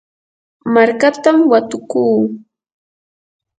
markatam watukuu.